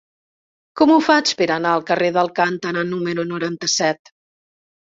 Com ho faig per anar al carrer d'Alcántara número noranta-set?